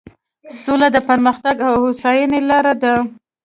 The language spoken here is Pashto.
سوله د پرمختګ او هوساینې لاره ده.